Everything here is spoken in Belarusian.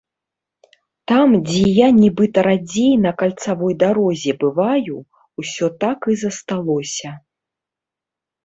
Там, дзе я нібыта радзей на кальцавой дарозе бываю, усё так і засталося.